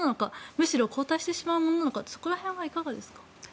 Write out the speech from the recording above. むしろ後退してしまうものなのかそこら辺はいかがですか。